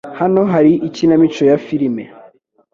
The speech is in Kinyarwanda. Hano hari ikinamico ya firime.